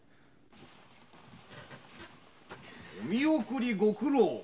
見送りご苦労。